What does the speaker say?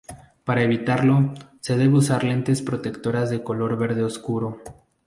Para evitarlo, se debe usar lentes protectoras de color verde oscuro.